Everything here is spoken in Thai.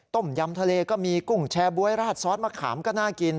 ต้มยำทะเลก็มีกุ้งแชร์บ๊วยราดซอสมะขามก็น่ากิน